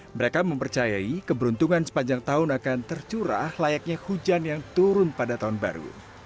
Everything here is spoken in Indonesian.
mereka mempercayai keberuntungan sepanjang tahun akan tercurah layaknya hujan yang turun pada tahun baru